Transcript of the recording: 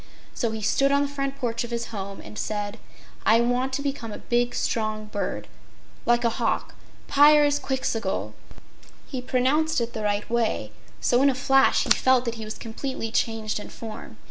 So he stood on the front porch of his home and said: "I want to become a big, strong bird, like a hawk Pyrzqxgl!" He pronounced it the right way, so in a flash he felt that he was completely changed in form.